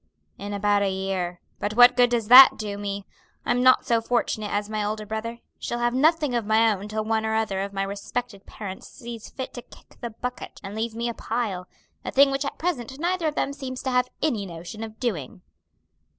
"In about a year. But what good does that do me? I'm not so fortunate as my older brother shall have nothing of my own till one or other of my respected parents sees fit to kick the bucket, and leave me a pile; a thing which at present neither of them seems to have any notion of doing."